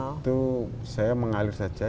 belum karena itu saya mengalir saja